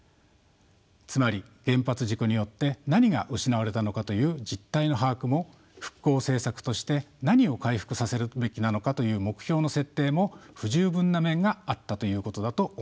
つまり原発事故によって何が失われたのかという実態の把握も復興政策として何を回復させるべきなのかという目標の設定も不十分な面があったということだと思います。